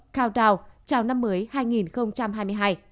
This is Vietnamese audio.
countdown trao năm mới hai nghìn hai mươi hai